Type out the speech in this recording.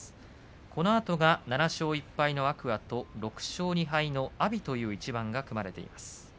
このあとが７勝１敗の天空海と６勝２敗の阿炎の一番が組まれています。